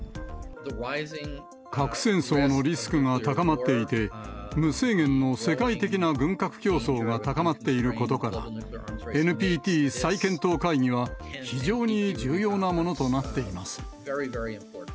核戦争のリスクが高まっていて、無制限の世界的な軍拡競争が高まっていることから、ＮＰＴ再検討会議は、非常に重要なものとなっています。